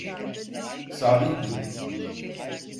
Sabit tut.